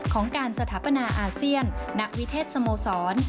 ของการสถาปนาอาเซียนณวิเทศสโมสร